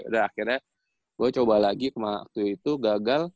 udah akhirnya gua coba lagi kemaren waktu itu gagal